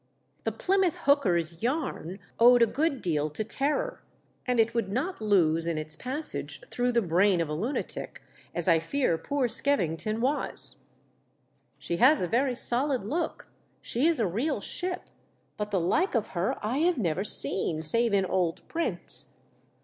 The Plymouth hooker's yarn owed a good deal to terror, and it would not lose in its passage through the brain of a lunatic, as I fear poor Skevington was." " She has a very solid look — she is a real ship, but the like of her I have never seen, save in old prints.